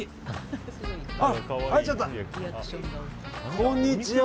こんにちは。